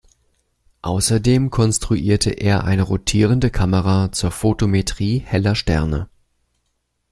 Außerdem konstruierte er eine rotierende Kamera zur Photometrie heller Sterne.